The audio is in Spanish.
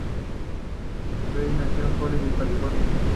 Brie nació en Hollywood, California.